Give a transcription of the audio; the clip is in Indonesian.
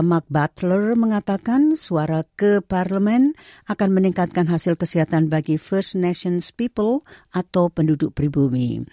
mark butler mengatakan suara ke parlemen akan meningkatkan hasil kesehatan bagi first nations people atau penduduk pribumi